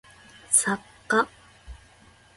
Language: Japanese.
作家